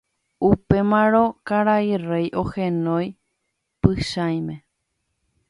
Upémarõ karai rey ohenói Pychãime.